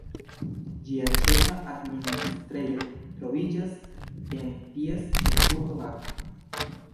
Ĝia ĉefa administrejo troviĝas en ties ĉefurbo Dako.